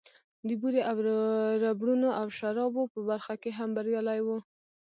د بورې او ربړونو او شرابو په برخه کې هم بريالی و.